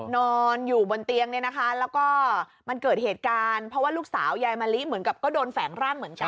นอนอยู่บนเตียงเนี่ยนะคะแล้วก็มันเกิดเหตุการณ์เพราะว่าลูกสาวยายมะลิเหมือนกับก็โดนแฝงร่างเหมือนกัน